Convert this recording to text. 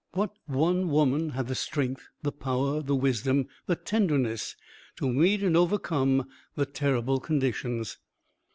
What one woman had the strength, the power, the wisdom, the tenderness, to meet and overcome the terrible conditions?